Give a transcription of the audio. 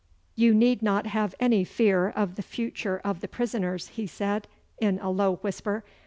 'You need not have any fear of the future of the prisoners,' he said, in a low whisper.